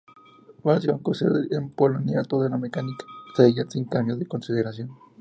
Versión construida en Polonia, toda la mecánica seguía sin cambios de consideración.